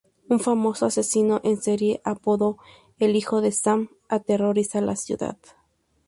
Un famoso asesino en serie, apodado "El Hijo de Sam", aterroriza la ciudad.